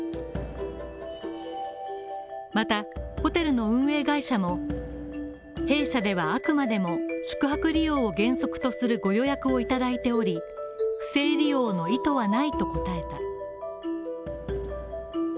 また、ホテルの運営会社の弊社ではあくまでも宿泊利用を原則とするご予約をいただいており、不正利用の意図はないと答えた。